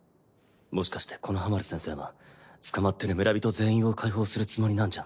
もしかして木ノ葉丸先生は捕まってる村人全員を解放するつもりなんじゃ。